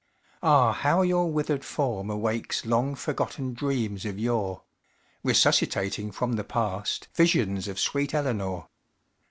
Ah, how your withered form awakes Long forgotten dreams of yore Resuscitating from the past Visions of sweet Eleanor!